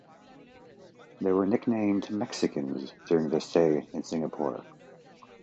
They were nicknamed "Mexicans" during their stay in Singapore.